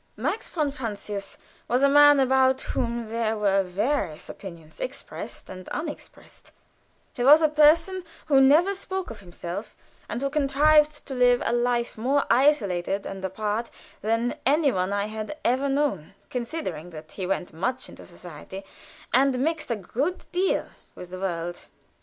Max von Francius was a man about whom there were various opinions, expressed and unexpressed; he was a person who never spoke of himself, and who contrived to live a life more isolated and apart than any one I have ever known, considering that he went much into society, and mixed a good deal with the world.